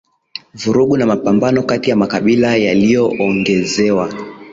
vurugu na mapambano kati ya makabila yaliyoongezewa